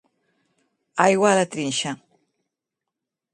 Aigua a la trinxa.